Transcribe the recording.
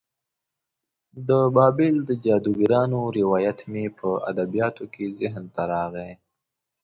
د بابل د جادوګرانو روایت مې په ادبیاتو کې ذهن ته راغی.